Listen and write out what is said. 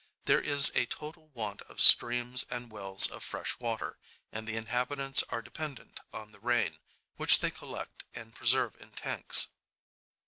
There is a total want of streams and wells of fresh water, and the inhabitants are dependent on the rain, which they collect and preserve in tanks.